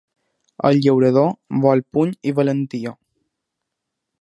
El llaurador vol puny i valentia.